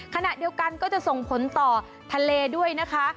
ขณะเดียวกันก็จะส่งผลต่อทะเลด้วยนะคะ